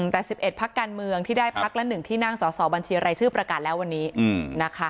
แต่๑๑พักการเมืองที่ได้พักละ๑ที่นั่งสอสอบัญชีรายชื่อประกาศแล้ววันนี้นะคะ